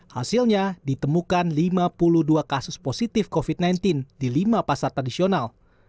hasilnya ditemukan lima puluh dua kasus positif covid sembilan belas di lima pasar tradisional